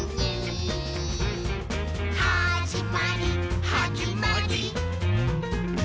「はじまりはじまりー！」